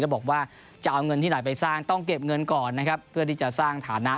บอกว่าจะเอาเงินที่ไหนไปสร้างต้องเก็บเงินก่อนนะครับเพื่อที่จะสร้างฐานะ